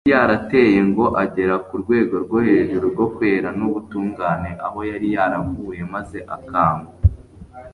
yari yarateye ngo agere ku rwego rwo hejuru rwo kwera n'ubutungane aho yari yaravuye maze akagwa